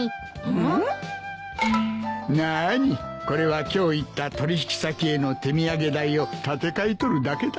なあにこれは今日行った取引先への手土産代を立て替えとるだけだ。